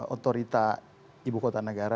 otorita ibu kota negara